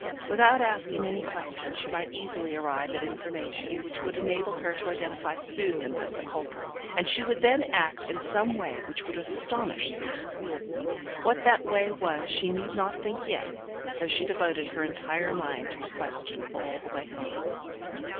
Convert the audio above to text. Without asking any questions, she might easily arrive at information which would enable her to identify Susan as the culprit, and she would then act in some way which would astonish Susan. What that way was she need not think yet, and so she devoted her entire mind to the question all the way home.